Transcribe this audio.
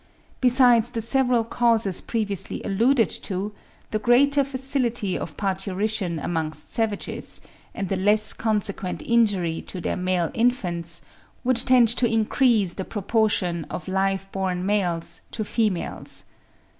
Besides the several causes previously alluded to, the greater facility of parturition amongst savages, and the less consequent injury to their male infants, would tend to increase the proportion of live born males to females.